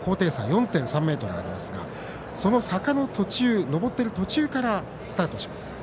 ４．３ｍありますがその坂の途中、上ってる途中からスタートします。